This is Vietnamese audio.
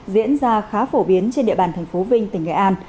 diễn ra khá phổ biến trên địa bàn tp vinh tỉnh nghệ an